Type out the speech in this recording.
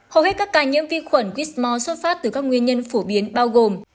hầu hết các ca nhiễm vi khuẩn whitmore xuất phát từ các nguyên nhân phổ biến bao gồm